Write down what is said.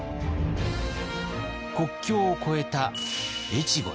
国境を越えた越後です。